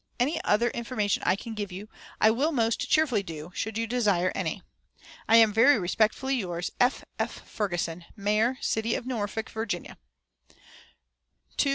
"Any other information I can give you I will most cheerfully do, should you desire any. "I am very respectfully yours, "F. F. FERGUSON, "Mayor City of Norfolk, Virginia.